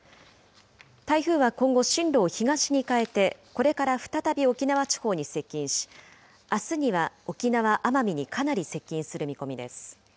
台風は今後、進路を東に変えて、これから再び沖縄地方に接近し、あすには沖縄・奄美にかなり接近する見込みです。